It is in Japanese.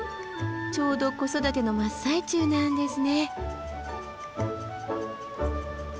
ちょうど子育ての真っ最中なんですね。